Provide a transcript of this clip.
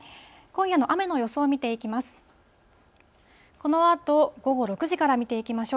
今夜の雨の予想を見ていきます。